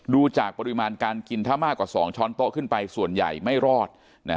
ดูจากปริมาณการกินถ้ามากกว่า๒ช้อนโต๊ะขึ้นไปส่วนใหญ่ไม่รอด